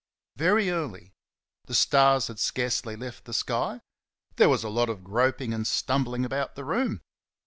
Very early. The stars had scarcely left the sky. There was a lot of groping and stumbling about the room.